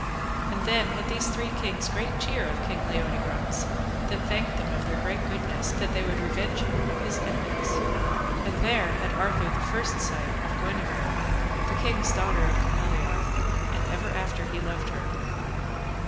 And then had these three kings great cheer of King Leodegrance, that thanked them of their great goodness, that they would revenge him of his enemies; and there had Arthur the first sight of Guenever, the king's daughter of Cameliard, and ever after he loved her.